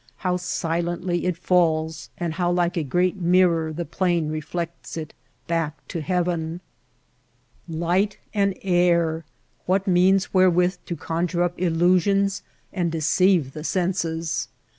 How silently it falls and how like a great mirror the plain reflects it back to heaven ! Light and air — what means wherewith to conjure up illusions and deceive the senses